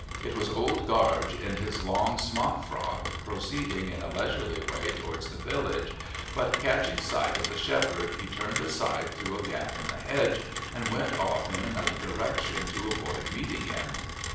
It was Old Gaarge in his long smock frock, proceeding in a leisurely way towards the village, but catching sight of the shepherd he turned aside through a gap in the hedge and went off in another direction to avoid meeting him.